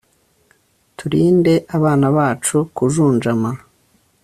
turinde abana bacu kujunjama